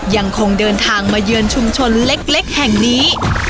ยังคงเดินทางมาเยือนชุมชนเล็กแห่งนี้